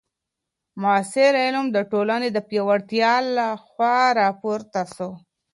معاصر علم د ټولني د پیاوړتیا له خوا راپورته سو.